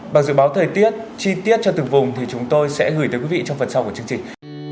bằng dự báo thời tiết chi tiết cho từng vùng thì chúng tôi sẽ gửi tới quý vị trong phần sau của chương trình